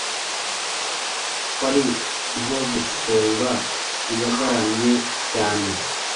kwari nko gusonga iyagaramye cyane.